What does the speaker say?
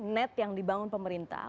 net yang dibangun pemerintah